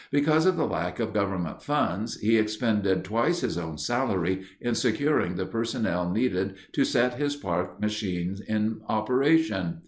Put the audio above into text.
Because of the lack of government funds, he expended twice his own salary in securing the personnel needed to set his parks machine in operation.